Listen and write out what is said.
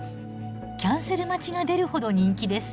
キャンセル待ちが出るほど人気です。